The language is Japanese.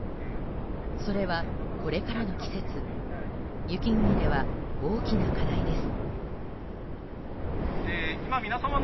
それは、これからの季節雪国では大きな課題です。